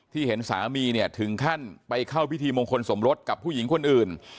เห็นสามีเนี่ยถึงขั้นไปเข้าพิธีมงคลสมรสกับผู้หญิงคนอื่น